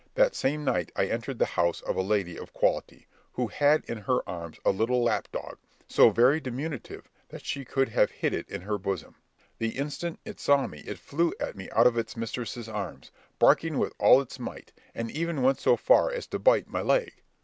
That same night I entered the house of a lady of quality, who had in her arms a little lap dog, so very diminutive that she could have hid it in her bosom. The instant it saw me, it flew at me out of its mistress's arms, barking with all its might, and even went so far as to bite my leg.